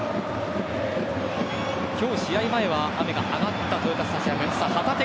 今日、試合前は雨が上がった豊田スタジアム。